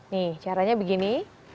nih caranya begini